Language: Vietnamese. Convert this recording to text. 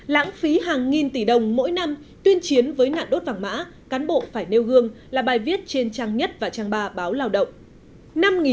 lãng phí hàng nghìn tỷ đồng mỗi năm tuyên chiến với nạn đốt vàng mã cán bộ phải nêu gương là bài viết trên trang nhất và trang ba báo lao động